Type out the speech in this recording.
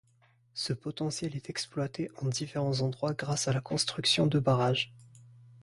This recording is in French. Ce potentiel est exploité en différents endroits grâce à la construction de barrages.